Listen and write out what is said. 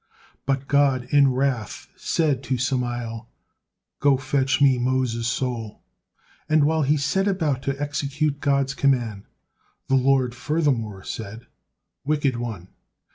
But God in wrath said to Samael: "Go, fetch Me Moses' soul," and while he set about to execute God's command, the Lord furthermore said: "Wicked one!